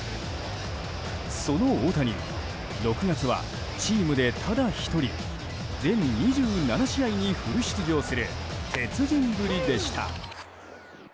その大谷６月はチームでただ１人全２７試合にフル出場する鉄人ぶりでした。